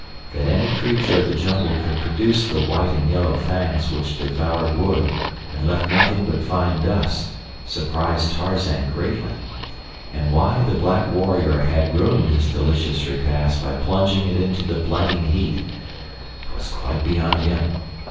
That any creature of the jungle could produce the red and yellow fangs which devoured wood and left nothing but fine dust surprised Tarzan greatly, and why the black warrior had ruined his delicious repast by plunging it into the blighting heat was quite beyond him.